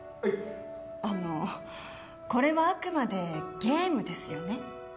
あのこれはあくまでゲームですよね？